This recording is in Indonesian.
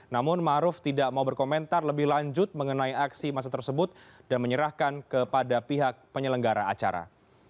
namun maruf tidak mau berkomentar lebih lanjut mengenai aksi massa tersebut dan menyerahkan kepada pihak penyelenggara acara